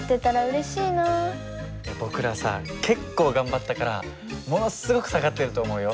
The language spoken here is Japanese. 僕らさ結構頑張ったからものすごく下がってると思うよ。